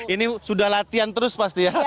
ini sudah latihan terus pasti ya